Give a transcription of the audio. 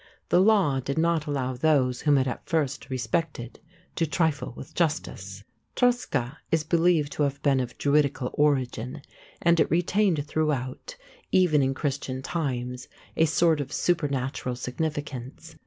The law did not allow those whom it at first respected to trifle with justice. Troscead is believed to have been of druidical origin, and it retained throughout, even in Christian times, a sort of supernatural significance.